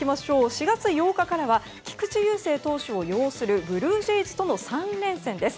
４月８日からは菊池雄星投手を擁するブルージェイズとの３連戦です。